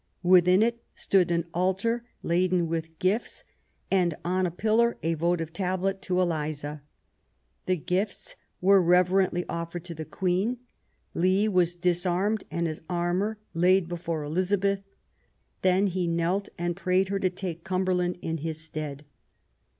Within it stood an altar laden with gifts, and on a pillar a votive tablet To Eliza". The gifts were reverently offeVed to the Queen. Lee was disarmed, and his armour laid before Elizabeth ; then he knelt and prayed her to take Cumberland in his stead.